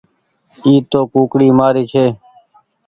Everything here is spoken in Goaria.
اي تو ڪوڪڙي مآري ڇي۔